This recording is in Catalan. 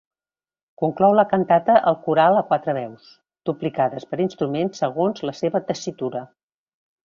Conclou la cantata el coral a quatre veus, duplicades pels instruments segons la seva tessitura.